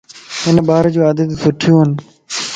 ھن ٻارَ جو عادتيون سٺيون ائين